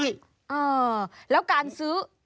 เออแล้วการซื้อ